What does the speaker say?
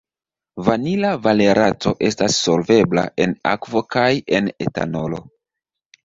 Vinila valerato estas solvebla en akvo kaj en etanolo.